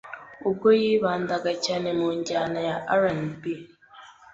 ubwo yibandaga cyane mu njyana ya R&B,